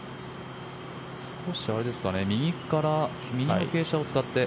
少しあれですかね右の傾斜を使って。